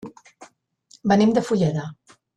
Venim de Fulleda.